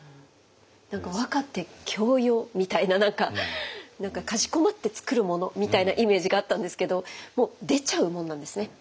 何か和歌って教養みたいなかしこまって作るものみたいなイメージがあったんですけどもう出ちゃうもんなんですね。